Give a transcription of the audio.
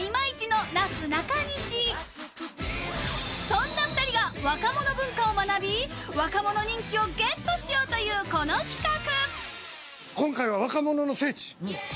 そんな２人が若者文化を学び、若者人気をゲットしようというこの企画。